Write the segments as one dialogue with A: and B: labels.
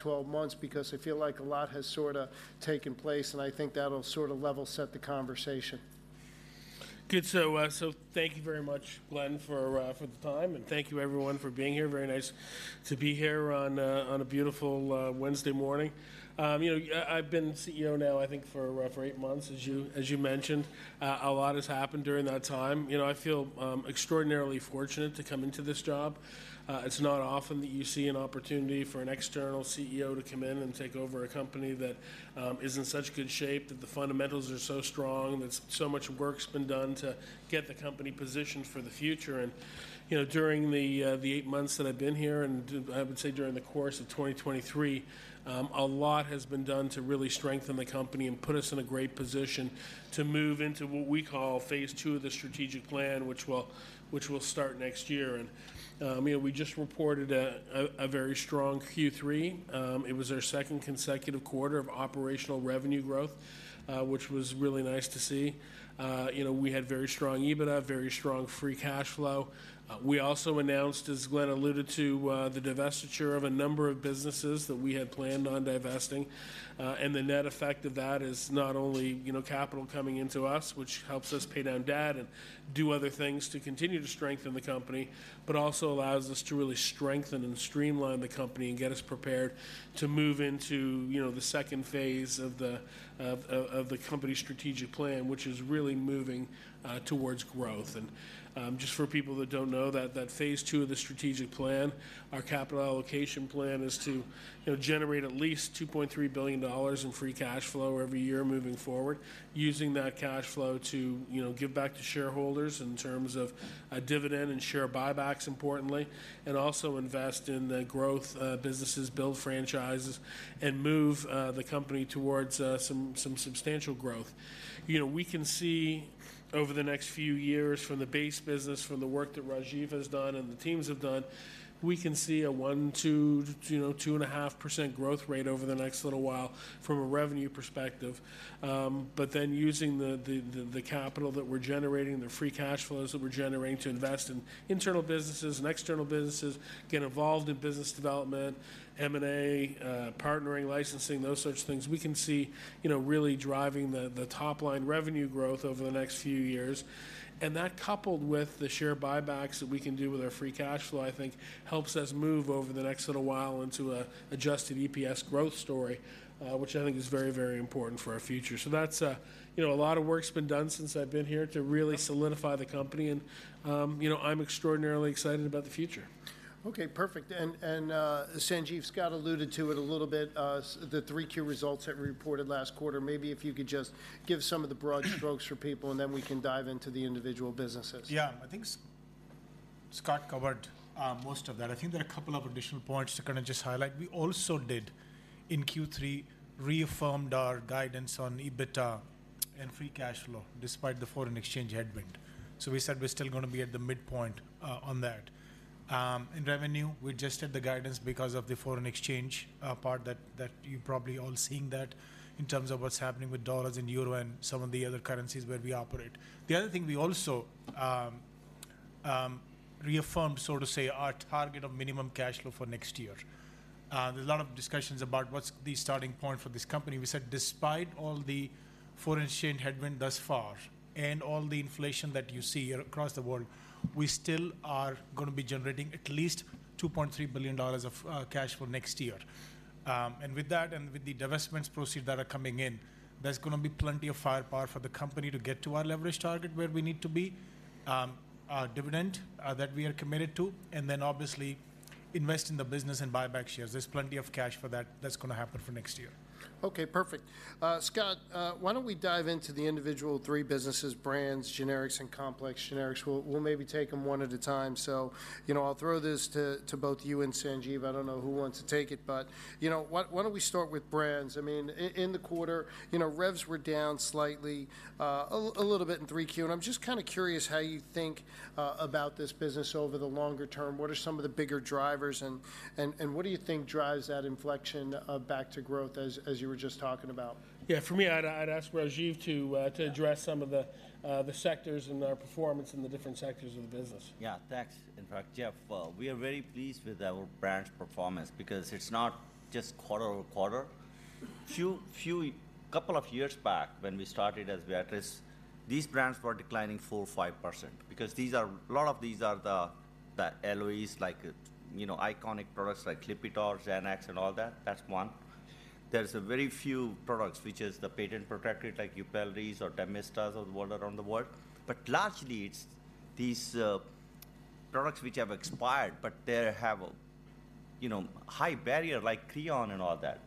A: 12 months, because I feel like a lot has sorta taken place, and I think that'll sorta level set the conversation.
B: Good. So thank you very much, Glen, for the time, and thank you everyone for being here. Very nice to be here on a beautiful Wednesday morning. You know, I've been CEO now, I think for roughly eight months, as you mentioned. A lot has happened during that time. You know, I feel extraordinarily fortunate to come into this job. It's not often that you see an opportunity for an external CEO to come in and take over a company that is in such good shape, that the fundamentals are so strong, and so much work's been done to get the company positioned for the future. You know, during the eight months that I've been here, and I would say during the course of 2023, a lot has been done to really strengthen the company and put us in a great position to move into what we call phase II of the strategic plan, which will start next year. You know, we just reported a very strong Q3. It was our second consecutive quarter of operational revenue growth, which was really nice to see. You know, we had very strong EBITDA, very strong free cash flow. We also announced, as Glen alluded to, the divestiture of a number of businesses that we had planned on divesting. And the net effect of that is not only, you know, capital coming into us, which helps us pay down debt and do other things to continue to strengthen the company, but also allows us to really strengthen and streamline the company and get us prepared to move into, you know, the second phase of the company's strategic plan, which is really moving towards growth. And just for people that don't know, that phase two of the strategic plan, our capital allocation plan is to, you know, generate at least $2.3 billion in free cash flow every year moving forward. Using that cash flow to, you know, give back to shareholders in terms of a dividend and share buybacks, importantly, and also invest in the growth businesses, build franchises, and move the company towards some substantial growth. You know, we can see over the next few years from the base business, from the work that Rajiv has done and the teams have done, we can see a 1%-2.5% growth rate over the next little while from a revenue perspective. But then using the capital that we're generating, the free cash flows that we're generating to invest in internal businesses and external businesses, get involved in business development, M&A, partnering, licensing, those such things, we can see, you know, really driving the top-line revenue growth over the next few years. And that, coupled with the share buybacks that we can do with our free cash flow, I think helps us move over the next little while into an Adjusted EPS growth story, which I think is very, very important for our future. So that's... You know, a lot of work's been done since I've been here to really solidify the company, and, you know, I'm extraordinarily excited about the future.
A: Okay, perfect. And, Sanjeev, Scott alluded to it a little bit, the 3Q results that we reported last quarter. Maybe if you could just give some of the broad strokes for people, and then we can dive into the individual businesses.
C: Yeah. I think Scott covered most of that. I think there are a couple of additional points to kind of just highlight. We also did, in Q3, reaffirm our guidance on EBITDA and Free Cash Flow, despite the foreign exchange headwind. So we said we're still gonna be at the midpoint on that. In revenue, we adjusted the guidance because of the foreign exchange part that you're probably all seeing that in terms of what's happening with dollars and euro and some of the other currencies where we operate. The other thing, we also reaffirmed, so to say, our target of minimum cash flow for next year. There's a lot of discussions about what's the starting point for this company. We said, despite all the foreign exchange headwind thus far, and all the inflation that you see across the world, we still are gonna be generating at least $2.3 billion of cash flow next year. And with that, and with the divestments proceed that are coming in, there's gonna be plenty of firepower for the company to get to our leverage target where we need to be, our dividend that we are committed to, and then obviously invest in the business and buy back shares. There's plenty of cash for that. That's gonna happen for next year.
A: Okay, perfect. Scott, why don't we dive into the individual three businesses: brands, generics, and complex generics? We'll, we'll maybe take them one at a time. So, you know, I'll throw this to, to both you and Sanjeev. I don't know who wants to take it, but, you know, why, why don't we start with brands? I mean, in the quarter, you know, revs were down slightly, a little bit in Q3. And I'm just kind of curious how you think about this business over the longer term. What are some of the bigger drivers, and, and, and what do you think drives that inflection of back to growth as, as you were just talking about?
B: Yeah, for me, I'd ask Rajiv to address-
A: yeah...
B: some of the sectors and our performance in the different sectors of the business.
D: Yeah, thanks. In fact, Jeff, we are very pleased with our brand's performance because it's not just quarter-over-quarter. A couple of years back, when we started as Viatris, these brands were declining 4%-5% because these are... A lot of these are the LOEs, like, you know, iconic products like Lipitor, Xanax, and all that. That's one. There's very few products, which is the patent protected, like Yupelri or Temesta or all around the world. But largely, it's these products which have expired, but they have a, you know, high barrier, like Creon and all that.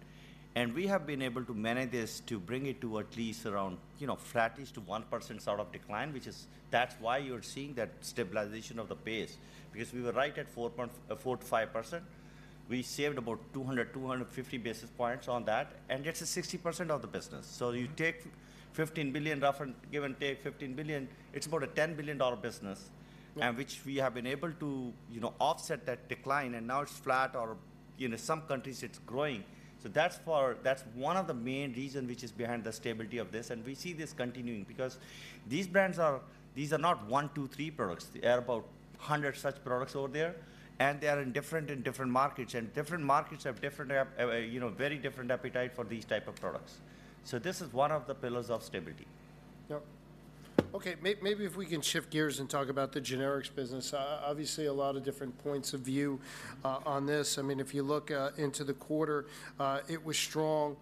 D: And we have been able to manage this to bring it to at least around, you know, flattish to 1% sort of decline, which is- that's why you're seeing that stabilization of the base, because we were right at four point 4%-5%. We saved about 200-250 basis points on that, and it's a 60% of the business. So you take $15 billion, rough and give and take $15 billion, it's about a $10 billion business-
A: Yeah...
D: and which we have been able to, you know, offset that decline, and now it's flat or, you know, some countries it's growing. So that's-- That's one of the main reason which is behind the stability of this. And we see this continuing because these brands are, these are not one, two, three products. There are about hundred such products over there, and they are in different, in different markets, and different markets have different, you know, very different appetite for these type of products. So this is one of the pillars of stability....
A: Yep. Okay, maybe if we can shift gears and talk about the generics business. Obviously, a lot of different points of view on this. I mean, if you look into the quarter, it was strong.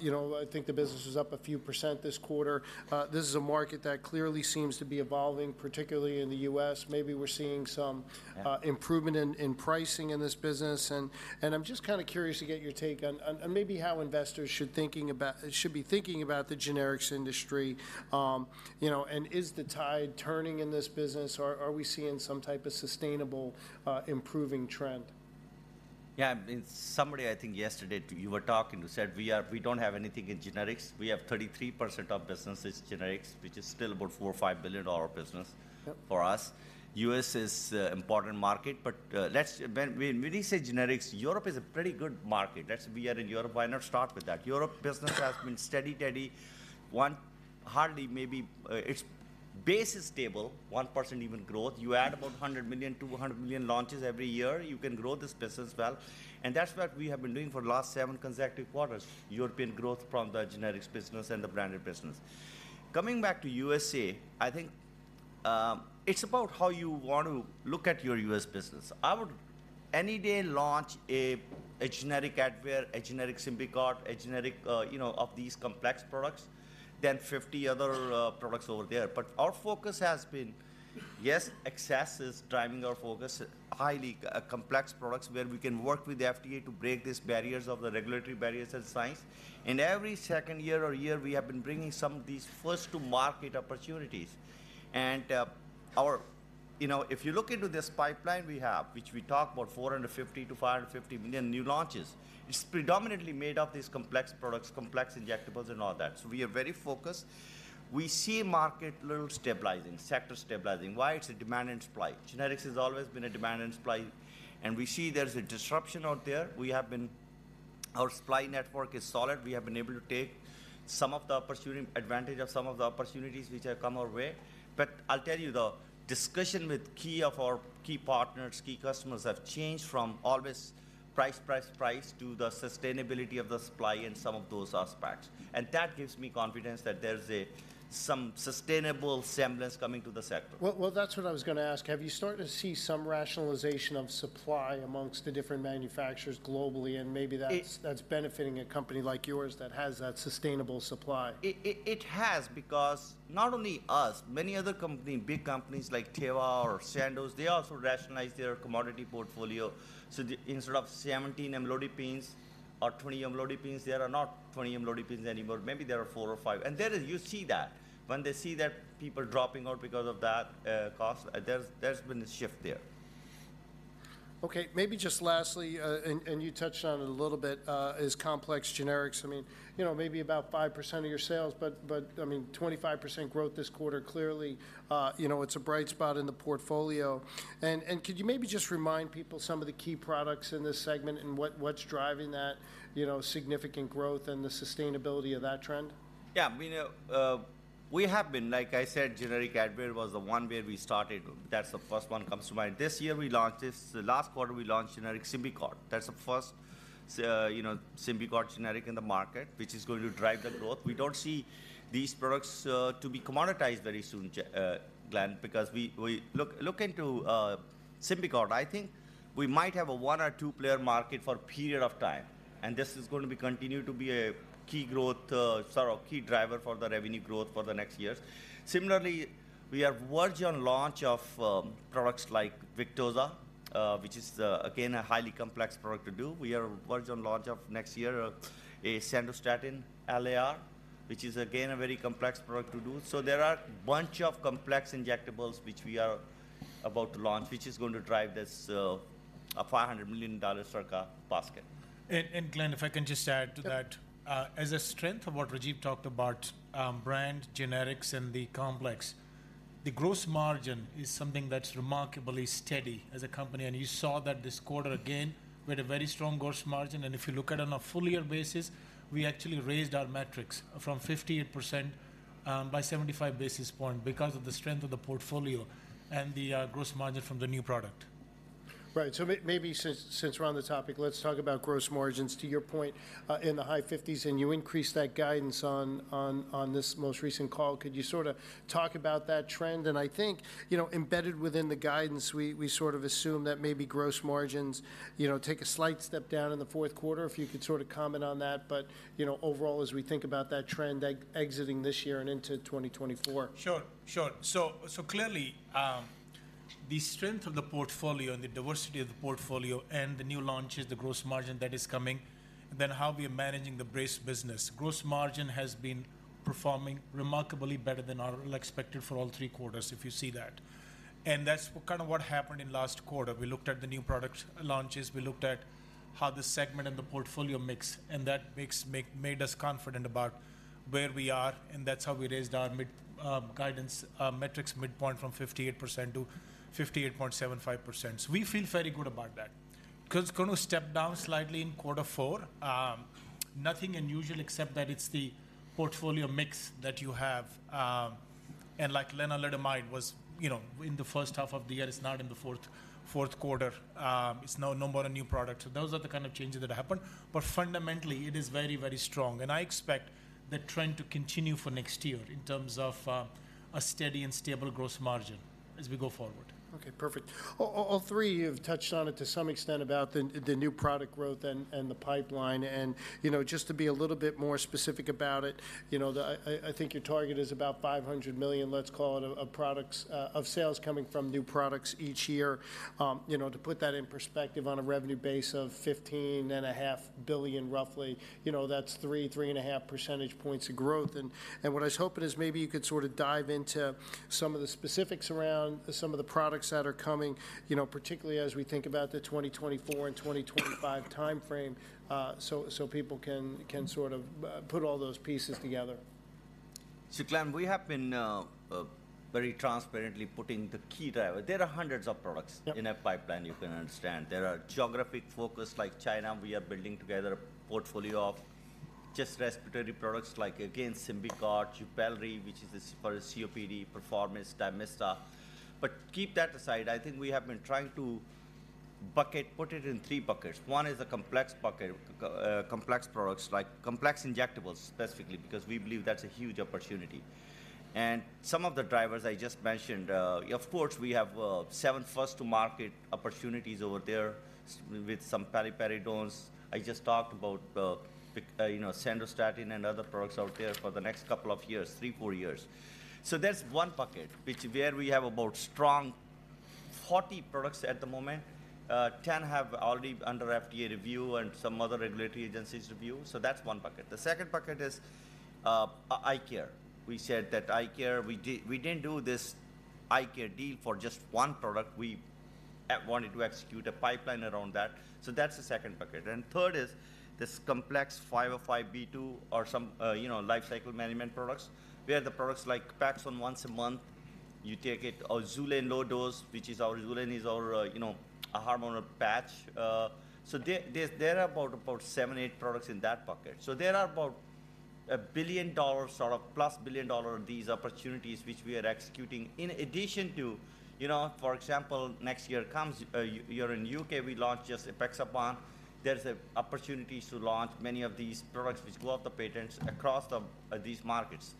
A: You know, I think the business was up a few percent this quarter. This is a market that clearly seems to be evolving, particularly in the U.S. Maybe we're seeing some,
D: Yeah...
A: improvement in pricing in this business. And I'm just kinda curious to get your take on maybe how investors should be thinking about the generics industry. You know, and is the tide turning in this business, or are we seeing some type of sustainable improving trend?
D: Yeah, I mean, somebody, I think yesterday, you were talking, you said, we are-- We don't have anything in generics. We have 33% of business is generics, which is still about $4 billion-$5 billion business-
A: Yep...
D: for us. The U.S. is a important market, but, let's—when we say generics, Europe is a pretty good market. That's... We are in Europe. Why not start with that? Europe business has been steady, steady, one—hardly maybe... It's base is stable, 1% even growth. You add-
A: Yeah...
D: about $100 million-$200 million launches every year, you can grow this business well, and that's what we have been doing for the last seven consecutive quarters, European growth from the generics business and the branded business. Coming back to USA, I think, it's about how you want to look at your U.S. business. I would any day launch a generic Advair, a generic Symbicort, a generic, you know, of these complex products than 50 other products over there. But our focus has been, yes, access is driving our focus, highly complex products, where we can work with the FDA to break these barriers of the regulatory barriers and science. And every second year or year, we have been bringing some of these first-to-market opportunities. And our... You know, if you look into this pipeline we have, which we talk about $450 million-$550 million new launches, it's predominantly made of these complex products, complex injectables and all that. So we are very focused. We see market little stabilizing, sector stabilizing. Why? It's the demand and supply. Generics has always been a demand and supply, and we see there's a disruption out there. We have been-- Our supply network is solid. We have been able to take some of the opportunity-- advantage of some of the opportunities which have come our way. But I'll tell you, the discussion with key of our key partners, key customers, have changed from always price, price, price to the sustainability of the supply and some of those aspects. And that gives me confidence that there's a some sustainable semblance coming to the sector.
A: Well, well, that's what I was gonna ask: Have you started to see some rationalization of supply among the different manufacturers globally, and maybe that's-
D: It-
A: - that's benefiting a company like yours that has that sustainable supply?
D: It has, because not only us, many other company, big companies like Teva or Sandoz, they also rationalize their commodity portfolio. So, instead of 17 amlodipine or 20 amlodipine, there are not 20 amlodipine anymore. Maybe there are four or five. And there is. You see that. When they see that people dropping out because of that cost, there's been a shift there.
A: Okay, maybe just lastly, and you touched on it a little bit, is complex generics. I mean, you know, maybe about 5% of your sales, but I mean, 25% growth this quarter, clearly, you know, it's a bright spot in the portfolio. And could you maybe just remind people some of the key products in this segment and what's driving that, you know, significant growth and the sustainability of that trend?
D: Yeah, I mean, we have been—like I said, generic Advair was the one where we started. That's the first one comes to mind. This year, we launched this. Last quarter, we launched generic Symbicort. That's the first, you know, Symbicort generic in the market, which is going to drive the growth. We don't see these products to be commoditized very soon, J- Glen, because we... Look into Symbicort. I think we might have a one or two-player market for a period of time, and this is going to be continue to be a key growth, sorry, key driver for the revenue growth for the next years. Similarly, we are working on launch of products like Victoza, which is again, a highly complex product to do. We are working on launch of next year, a Sandostatin LAR, which is again, a very complex product to do. So there are bunch of complex injectables which we are about to launch, which is going to drive this, a $500 million circa basket.
C: And, Glen, if I can just add to that.
A: Yep.
C: As a strength of what Rajiv talked about, brand generics and the complex, the gross margin is something that's remarkably steady as a company, and you saw that this quarter again, we had a very strong gross margin. If you look at on a full year basis, we actually raised our metrics from 58%, by 75 basis points because of the strength of the portfolio and the gross margin from the new product.
A: Right. So maybe since we're on the topic, let's talk about gross margins. To your point in the high 50s%, and you increased that guidance on this most recent call. Could you sorta talk about that trend? And I think, you know, embedded within the guidance, we sort of assume that maybe gross margins, you know, take a slight step down in the Q4, if you could sorta comment on that. But, you know, overall, as we think about that trend exiting this year and into 2024.
C: Sure, sure. So clearly, the strength of the portfolio and the diversity of the portfolio and the new launches, the gross margin that is coming, then how we are managing the base business. Gross margin has been performing remarkably better than our expected for all three quarters, if you see that. And that's kind of what happened in last quarter. We looked at the new products launches, we looked at how the segment and the portfolio mix, and that mix made us confident about where we are, and that's how we raised our mid guidance metrics midpoint from 58%-58.75%. So we feel very good about that. 'Cause it's gonna step down slightly in quarter four, nothing unusual except that it's the portfolio mix that you have. Like lenalidomide was, you know, in the H1 of the year. It's not in the Q4. It's no more a new product. So those are the kind of changes that happened, but fundamentally, it is very, very strong. And I expect the trend to continue for next year in terms of a steady and stable gross margin as we go forward.
A: Okay, perfect. Well, all three of you have touched on it to some extent about the new product growth and the pipeline. And, you know, just to be a little bit more specific about it, you know, the—I think your target is about $500 million, let's call it, of products of sales coming from new products each year. You know, to put that in perspective, on a revenue base of $15.5 billion, roughly, you know, that's 3-3.5 percentage points of growth. And what I was hoping is maybe you could sort of dive into some of the specifics around some of the products that are coming, you know, particularly as we think about the 2024 and 2025 timeframe, so people can sort of put all those pieces together.
D: So Glen, we have been very transparently putting the key driver. There are hundreds of products-
A: Yep...
D: in our pipeline, you can understand. There are geographic focus, like China, we are building together a portfolio of just respiratory products, like, again, Symbicort, Yupelri, which is for COPD, Perforomist, Dymista. But keep that aside, I think we have been trying to put it in three buckets. One is a complex bucket, complex products, like complex injectables, specifically, because we believe that's a huge opportunity. And some of the drivers I just mentioned, of course, we have seven first to market opportunities over there with some paliperidones. I just talked about, you know, Sandostatin and other products out there for the next couple of years, three, four years. So that's one bucket, where we have about strong 40 products at the moment. 10 have already under FDA review and some other regulatory agencies review. So that's one bucket. The second bucket is eye care. We said that eye care. We didn't do this eye care deal for just one product. We wanted to execute a pipeline around that. So that's the second bucket. And third is this complex 505(b)(2) or some, you know, lifecycle management products, where the products like paliperidone once a month, you take it, or Xulane low dose, which is our—Xulane is our, you know, a hormonal patch. So there are about seven, eight products in that bucket. So there are about $1 billion, sort of plus $1 billion, these opportunities which we are executing, in addition to, you know, for example, next year comes here in U.K., we launched just apixaban. There's opportunities to launch many of these products which go off the patents across these markets.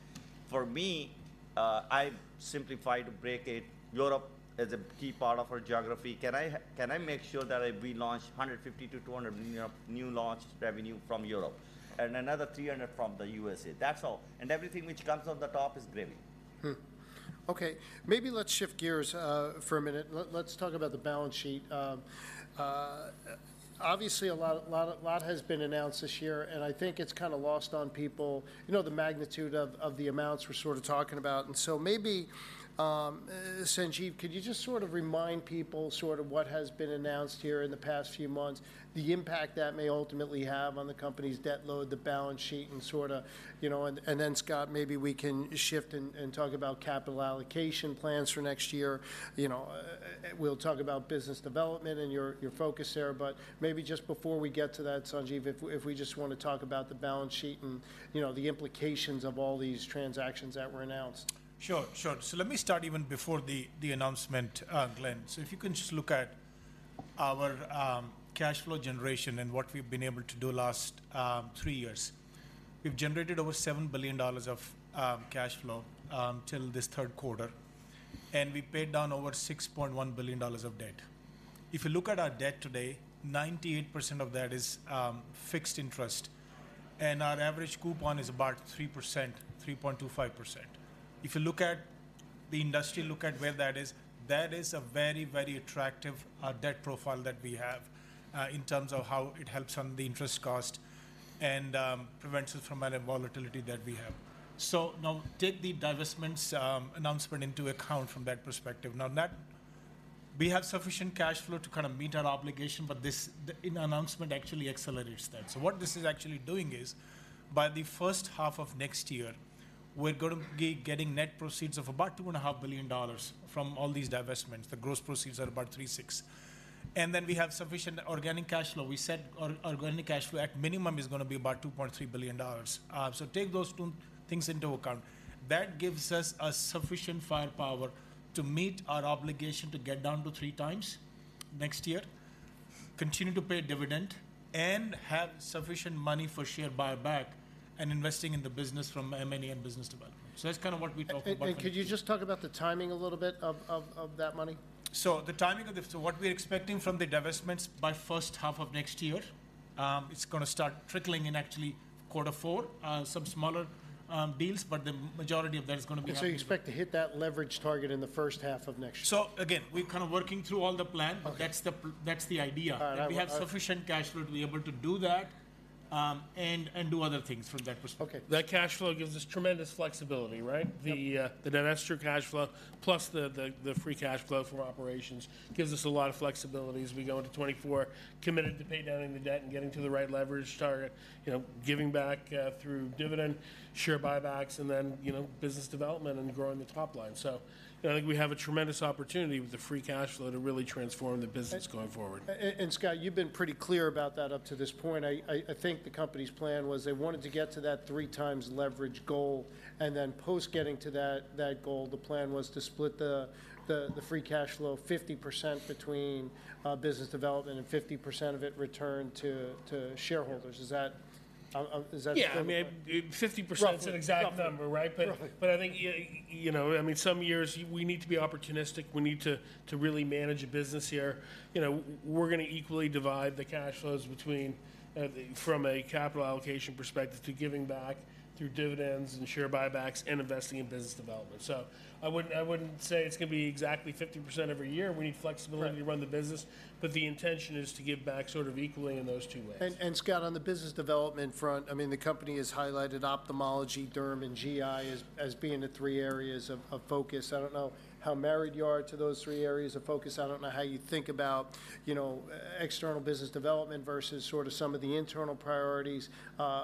D: For me, I've simplified to break it. Europe is a key part of our geography. Can I make sure that we launch $150 million-$200 million of new launch revenue from Europe and another $300 million from the USA? That's all. And everything which comes on the top is gravy.
A: Okay, maybe let's shift gears for a minute. Let's talk about the balance sheet. Obviously, a lot, lot, lot has been announced this year, and I think it's kind of lost on people, you know, the magnitude of the amounts we're sort of talking about. And so maybe, Sanjeev, could you just sort of remind people sort of what has been announced here in the past few months, the impact that may ultimately have on the company's debt load, the balance sheet, and sort of, you know, and then, Scott, maybe we can shift and talk about capital allocation plans for next year. You know, we'll talk about business development and your focus there. Maybe just before we get to that, Sanjeev, if we just want to talk about the balance sheet and, you know, the implications of all these transactions that were announced.
C: Sure, sure. So let me start even before the announcement, Glen. So if you can just look at our cash flow generation and what we've been able to do last three years. We've generated over $7 billion of cash flow till this Q3, and we paid down over $6.1 billion of debt. If you look at our debt today, 98% of that is fixed interest, and our average coupon is about 3%, 3.25%. If you look at the industry, look at where that is, that is a very, very attractive debt profile that we have in terms of how it helps on the interest cost and prevents us from any volatility that we have. So now, take the divestments announcement into account from that perspective. Now, that we have sufficient cash flow to kind of meet our obligation, but the announcement actually accelerates that. So what this is actually doing is, by the H1 of next year, we're gonna be getting net proceeds of about $2.5 billion from all these divestments. The gross proceeds are about $3.6 billion. And then we have sufficient organic cash flow. We said our organic cash flow, at minimum, is gonna be about $2.3 billion. So take those two things into account. That gives us sufficient firepower to meet our obligation to get down to three times next year, continue to pay dividend, and have sufficient money for share buyback and investing in the business from M&A and business development. So that's kind of what we're talking about-
A: Could you just talk about the timing a little bit of that money?
C: So what we're expecting from the divestments by H1 of next year, it's gonna start trickling in actually quarter four, some smaller deals, but the majority of that is gonna be-
A: You expect to hit that leverage target in the H1 of next year?
C: So again, we're kind of working through all the plan-
A: Okay...
C: but that's the that's the idea.
A: All right. Well,
C: We have sufficient cash flow to be able to do that. ... and do other things from that perspective.
B: Okay, that cash flow gives us tremendous flexibility, right?
A: Yep.
B: The net extra cash flow, plus the free cash flow from operations gives us a lot of flexibility as we go into 2024, committed to pay down any debt and getting to the right leverage target. You know, giving back through dividend, share buybacks, and then, you know, business development and growing the top line. So I think we have a tremendous opportunity with the free cash flow to really transform the business going forward.
A: And Scott, you've been pretty clear about that up to this point. I think the company's plan was they wanted to get to that three times leverage goal, and then post getting to that goal, the plan was to split the free cash flow 50% between business development and 50% of it returned to shareholders. Is that-
B: Yeah, I mean, 50%-
A: Roughly...
B: is an exact number, right?
A: Right.
B: But I think, you know, I mean, some years, we need to be opportunistic. We need to really manage a business here. You know, we're gonna equally divide the cash flows between, from a capital allocation perspective to giving back through dividends and share buybacks and investing in business development. So I wouldn't say it's gonna be exactly 50% every year. We need flexibility.
A: Right...
B: to run the business, but the intention is to give back sort of equally in those two ways.
A: And, Scott, on the business development front, I mean, the company has highlighted ophthalmology, derm, and GI as being the three areas of focus. I don't know how married you are to those three areas of focus. I don't know how you think about, you know, external business development versus sort of some of the internal priorities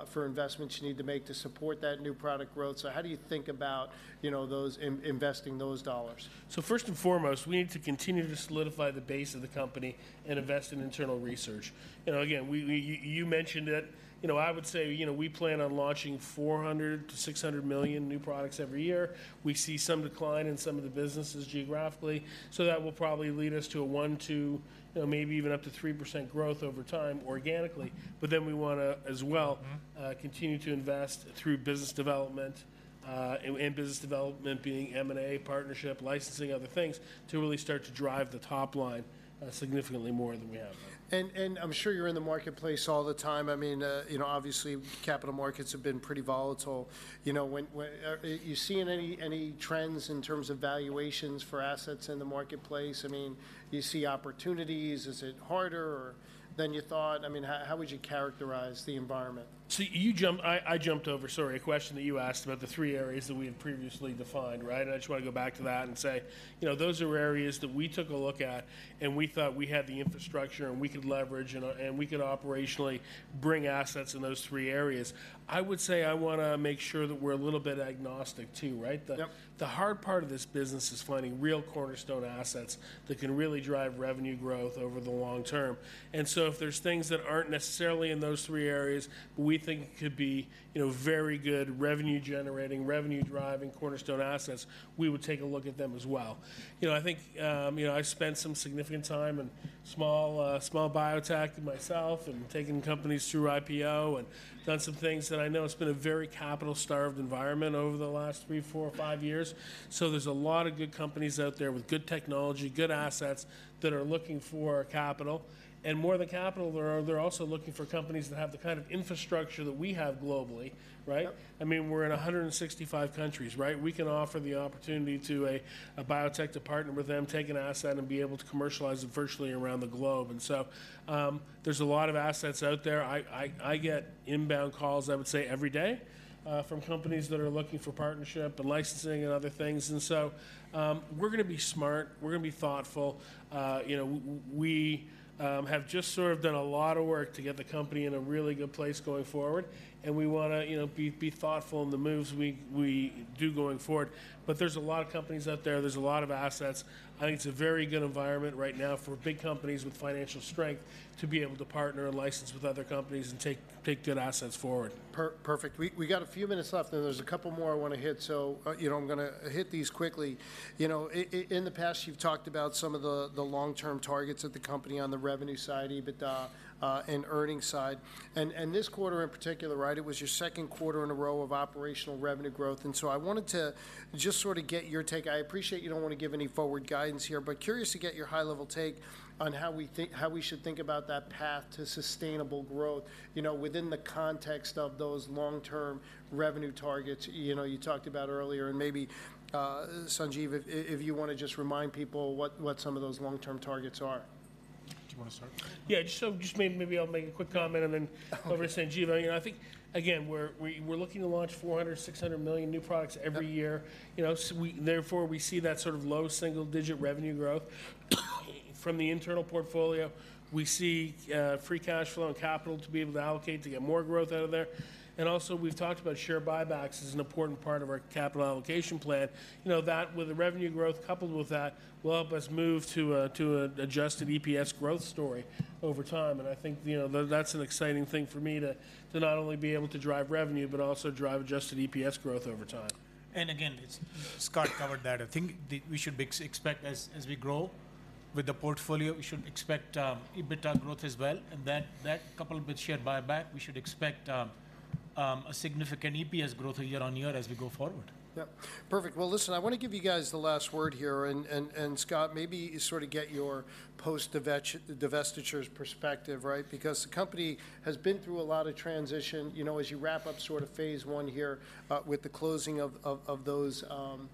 A: for investments you need to make to support that new product growth. So how do you think about, you know, those investing those dollars?
B: So first and foremost, we need to continue to solidify the base of the company and invest in internal research. You know, again, we, you mentioned it. You know, I would say, you know, we plan on launching 400-600 million new products every year. We see some decline in some of the businesses geographically, so that will probably lead us to 1%-2%, you know, maybe even up to 3% growth over time organically. But then we wanna, as well-
A: Mm-hmm...
B: continue to invest through business development, and business development being M&A, partnership, licensing, other things, to really start to drive the top line significantly more than we have.
A: I'm sure you're in the marketplace all the time. I mean, you know, obviously, capital markets have been pretty volatile. You know, when are you seeing any trends in terms of valuations for assets in the marketplace? I mean, do you see opportunities? Is it harder than you thought? I mean, how would you characterize the environment?
B: I jumped over, sorry, a question that you asked about the three areas that we had previously defined, right? I just wanna go back to that and say, you know, those are areas that we took a look at, and we thought we had the infrastructure, and we could leverage, and we could operationally bring assets in those three areas. I would say I wanna make sure that we're a little bit agnostic, too, right?
A: Yep.
B: The hard part of this business is finding real cornerstone assets that can really drive revenue growth over the long term. And so if there's things that aren't necessarily in those three areas, but we think could be, you know, very good revenue-generating, revenue-driving, cornerstone assets, we would take a look at them as well. You know, I think, you know, I've spent some significant time in small biotech myself and taking companies through IPO and done some things that I know it's been a very capital-starved environment over the last three, four, or five years. So there's a lot of good companies out there with good technology, good assets, that are looking for capital. And more than capital, they're also looking for companies that have the kind of infrastructure that we have globally, right?
A: Yep.
B: I mean, we're in 165 countries, right? We can offer the opportunity to a biotech to partner with them, take an asset, and be able to commercialize it virtually around the globe. And so, there's a lot of assets out there. I get inbound calls, I would say, every day from companies that are looking for partnership and licensing and other things. And so, we're gonna be smart. We're gonna be thoughtful. You know, we have just sort of done a lot of work to get the company in a really good place going forward, and we wanna, you know, be thoughtful in the moves we do going forward. But there's a lot of companies out there. There's a lot of assets. I think it's a very good environment right now for big companies with financial strength to be able to partner and license with other companies and take, take good assets forward.
A: Perfect. We got a few minutes left, and there's a couple more I wanna hit. So, you know, I'm gonna hit these quickly. You know, in the past, you've talked about some of the long-term targets of the company on the revenue side, EBITDA, and earnings side. And this quarter in particular, right, it was your Q2 in a row of operational revenue growth, and so I wanted to just sort of get your take. I appreciate you don't wanna give any forward guidance here, but curious to get your high-level take on how we think - how we should think about that path to sustainable growth, you know, within the context of those long-term revenue targets, you know, you talked about earlier. And maybe, Sanjeev, if you wanna just remind people what some of those long-term targets are.
B: Do you wanna start? Yeah, just so, maybe I'll make a quick comment, and then over to Sanjeev. You know, I think, again, we're looking to launch 400 million-600 million new products every year.
A: Yep.
B: You know, therefore, we see that sort of low single-digit revenue growth from the internal portfolio. We see free cash flow and capital to be able to allocate to get more growth out of there. And also, we've talked about share buybacks as an important part of our capital allocation plan. You know, that, with the revenue growth coupled with that, will help us move to a, to a Adjusted EPS growth story over time. And I think, you know, that, that's an exciting thing for me to, to not only be able to drive revenue but also drive Adjusted EPS growth over time.
C: And again, it's Scott covered that. I think we should expect, as we grow with the portfolio, we should expect EBITDA growth as well. And that, coupled with share buyback, we should expect a significant EPS growth year on year as we go forward.
A: Yep. Perfect. Well, listen, I wanna give you guys the last word here, and Scott, maybe sort of get your post-divestiture perspective, right? Because the company has been through a lot of transition, you know, as you wrap up sort of phase one here, with the closing of those transactions.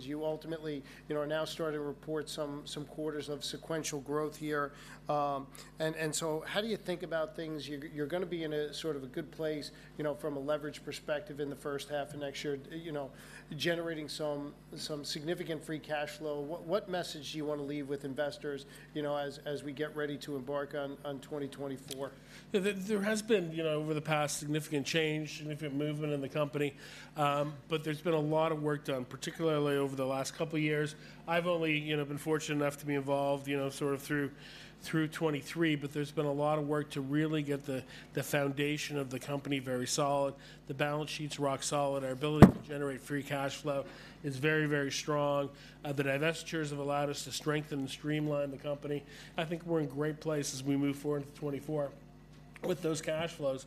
A: You ultimately, you know, are now starting to report some quarters of sequential growth here. And so how do you think about things? You're gonna be in a sort of a good place, you know, from a leverage perspective in the H1 of next year, you know, generating some significant free cash flow. What message do you wanna leave with investors, you know, as we get ready to embark on 2024?
B: Yeah, there, there has been, you know, over the past, significant change, significant movement in the company. But there's been a lot of work done, particularly over the last couple years. I've only, you know, been fortunate enough to be involved, you know, sort of through, through 2023, but there's been a lot of work to really get the, the foundation of the company very solid. The balance sheet's rock solid. Our ability to generate free cash flow is very, very strong. The divestitures have allowed us to strengthen and streamline the company. I think we're in great place as we move forward into 2024. With those cash flows,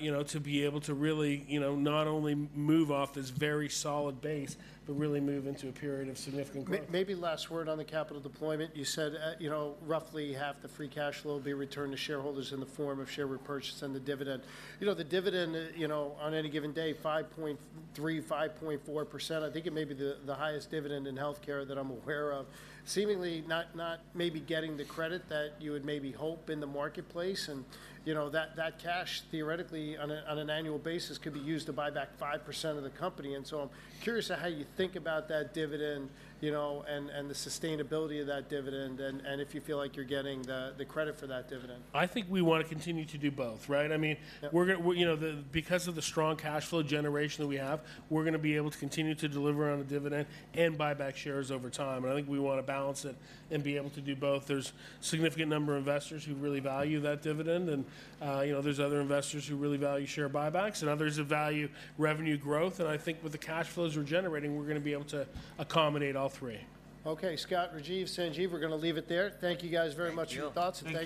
B: you know, to be able to really, you know, not only move off this very solid base, but really move into a period of significant growth.
A: Maybe last word on the capital deployment. You said, you know, roughly half the free cash flow will be returned to shareholders in the form of share repurchase and the dividend. You know, the dividend, you know, on any given day, 5.3%-5.4%, I think it may be the, the highest dividend in healthcare that I'm aware of. Seemingly, not, not maybe getting the credit that you would maybe hope in the marketplace, and, you know, that, that cash theoretically on a, on an annual basis, could be used to buy back 5% of the company. And so I'm curious to how you think about that dividend, you know, and, and the sustainability of that dividend, and, and if you feel like you're getting the, the credit for that dividend.
B: I think we wanna continue to do both, right? I mean-
A: Yeah...
B: you know, because of the strong cash flow generation that we have, we're gonna be able to continue to deliver on a dividend and buy back shares over time, and I think we wanna balance it and be able to do both. There's significant number of investors who really value that dividend, and, you know, there's other investors who really value share buybacks, and others that value revenue growth. And I think with the cash flows we're generating, we're gonna be able to accommodate all three.
A: Okay. Scott, Rajiv, Sanjeev, we're gonna leave it there. Thank you guys very much for your thoughts- Thank you... and thank you.